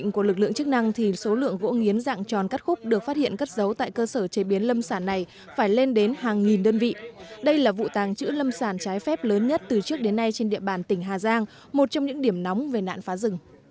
tổ công tác bắt buộc lực lượng chức năng phải lập biên bản phá khóa các điểm kho hàng còn lại